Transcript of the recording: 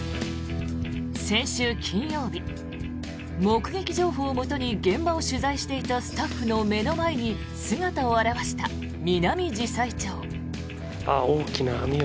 先週金曜日目撃情報をもとに現場を取材していたスタッフの目の前に姿を現したミナミジサイチョウ。